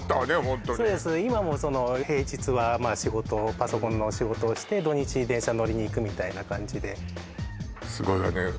ホントに今も平日は仕事パソコンの仕事をして土日電車に乗りに行くみたいな感じですごいわね